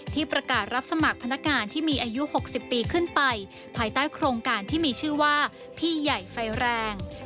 ที่ประกาศรับสมัครพนักงานที่มีอายุ๖๐ปีขึ้นไปภายใต้โครงการที่มีชื่อว่าพี่ใหญ่ไฟแรง